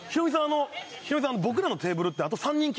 あのヒロミさん